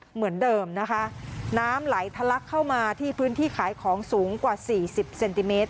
เหมือนเดิมนะคะน้ำไหลทะลักเข้ามาที่พื้นที่ขายของสูงกว่าสี่สิบเซนติเมตร